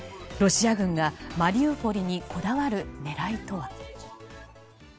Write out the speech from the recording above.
ロシア軍がマリウポリにこだわる狙いとは。